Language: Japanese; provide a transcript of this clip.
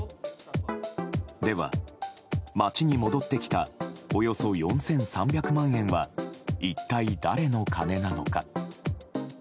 では、町に戻ってきたおよそ４３００万円は一体誰の金なのか？